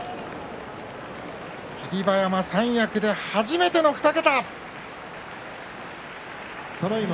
霧馬山、三役で初めての２桁。